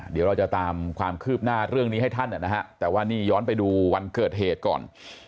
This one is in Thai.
เดี๋ยวเราจะตามความคืบหน้าเรื่องนี้ให้ท่านนะฮะแต่ว่านี่ย้อนไปดูวันเกิดเหตุก่อน